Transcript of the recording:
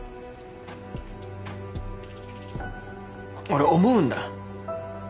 俺思うんだ。